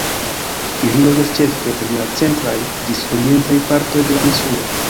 Ili loĝas ĉefe en la centraj ĝis orientaj partoj de la insulo.